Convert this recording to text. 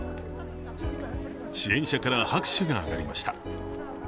支援者から拍手が上がりました。